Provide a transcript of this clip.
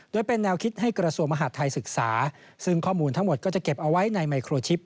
โดยเป็นแนวคิดให้กระทรวงมหาดไทยศึกษาซึ่งข้อมูลทั้งหมดก็จะเก็บเอาไว้ในไมโครชิป